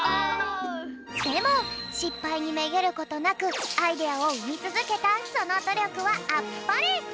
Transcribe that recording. でもしっぱいにめげることなくアイデアをうみつづけたそのどりょくはあっぱれ！